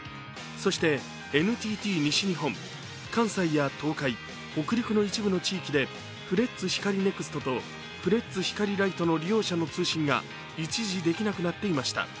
そしてＮＴＴ西日本、関西や東海、北陸の一部の地域でフレッツ光ネクストとフレッツ光ライトの利用者の通信が一時できなくなっていました。